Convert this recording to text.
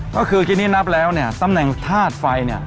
ก็คือกินเนี่ยนับแล้วเนี่ยตำแหน่งทาสไฟเนี่ย